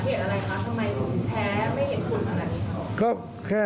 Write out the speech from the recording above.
เธอไม่เห็นคุณอะไรครับทำไมแพ้